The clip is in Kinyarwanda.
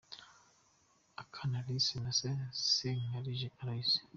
Akana Alice na se Nsekarije Aloys